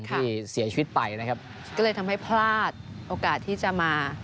ที่เสียชีวิตไปนะครับก็เลยทำให้พลาดโอกาสที่จะมา